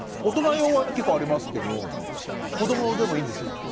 大人用は結構ありますけど子どもでもいいんですか？